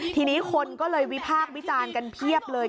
ทีนี้คนก็เลยวิพากษ์วิจารณ์กันเพียบเลย